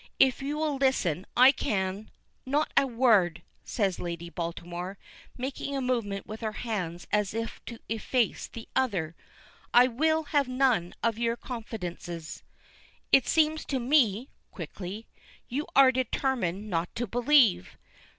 If you will listen I can " "Not a word," says Lady Baltimore, making a movement with her hands as if to efface the other. "I will have none of your confidences." "It seems to me" quickly "you are determined not to believe."